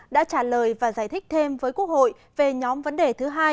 đã trả lời và giải thích thêm với quốc hội về nhóm vấn đề thứ hai